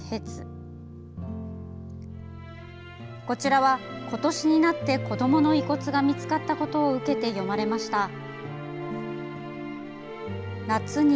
こちらは、今年になって子どもの遺骨が見つかったことを受けて詠まれました。